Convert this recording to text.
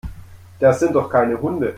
Das sind doch keine Hunde.